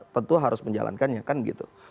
tentu harus menjalankannya kan gitu